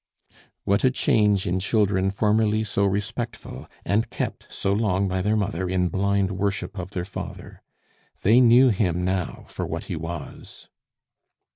What a change in children formerly so respectful, and kept so long by their mother in blind worship of their father! They knew him now for what he was.